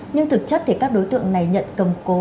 nhưng thực chất thì các đối tượng này nhận cầm cố